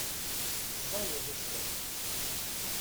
Ẓẓayeḍ i ccɣel.